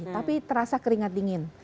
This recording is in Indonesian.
tapi terasa keringat dingin